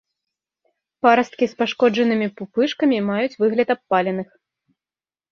Парасткі з пашкоджанымі пупышкамі маюць выгляд абпаленых.